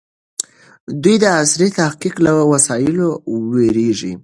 دوی د عصري تحقيق له وسایلو وېرېږي.